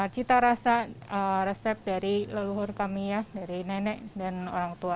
cita rasa resep dari leluhur kami ya dari nenek dan orang tua